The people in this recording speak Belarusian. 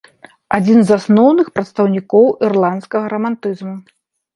Адзін з асноўных прадстаўнікоў ірландскага рамантызму.